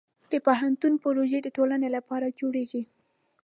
د پوهنتون پروژې د ټولنې لپاره جوړېږي.